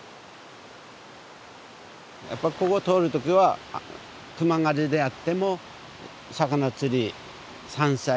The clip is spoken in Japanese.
やっぱここ通る時は熊狩りであっても魚釣り山菜